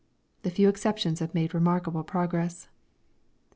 _" the few exceptions have made remarkable progress.